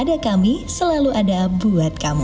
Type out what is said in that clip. kepada kami selalu ada buat kamu